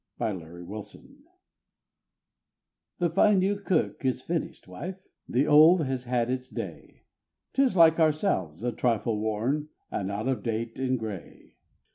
In the Old Church "The fine new kirk is finished, wife the old has had its day, 'Tis like ourselves, a trifle worn, and out of date, and gray.